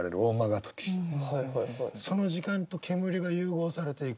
その時間と煙が融合されていく。